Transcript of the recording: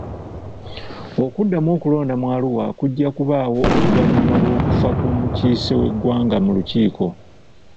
Okuddamu okulonda mu Arua kujja kubaawo oluvannyuma lw'okufa kw'omukiise w'eggwanga mu lukiiko.